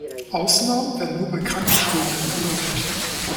Ausnahmen werden nur bei Krankgeschriebenen erlaubt.